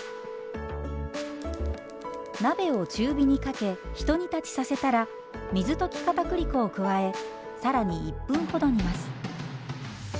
鍋を中火にかけひと煮立ちさせたら水溶きかたくり粉を加え更に１分ほど煮ます。